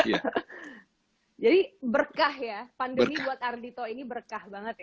jadi berkah ya